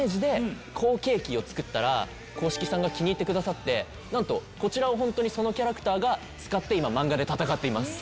後継機を作ったら公式さんが気に入ってくださってなんとこちらを本当にそのキャラクターが使って今漫画で戦っています。